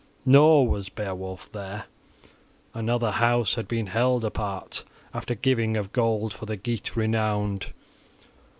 Nor was Beowulf there; another house had been held apart, after giving of gold, for the Geat renowned.